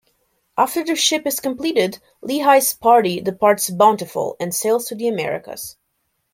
After the ship is completed, Lehi's party departs Bountiful and sails to the Americas.